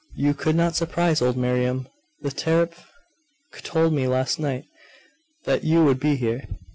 You could not surprise old Miriam. The teraph told me last night that you would be here....